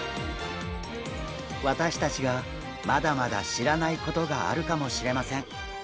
私たちがまだまだ知らないことがあるかもしれません。